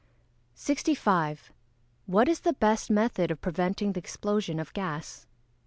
65. _What is the best method of preventing the explosion of gas?